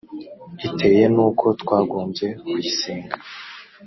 iteye n uko twagombye kuyisenga